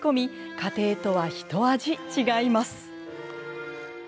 家庭とは、ひと味違います。